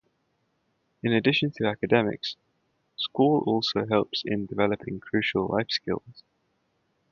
In addition to academics, school also helps in developing crucial life skills.